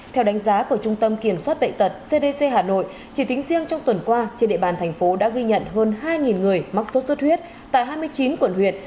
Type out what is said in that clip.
theo đánh giá của trung tâm kiểm soát bệnh tật cdc hà nội chỉ tính riêng trong tuần qua trên địa bàn thành phố đã ghi nhận hơn hai người mắc sốt xuất huyết tại hai mươi chín quận huyện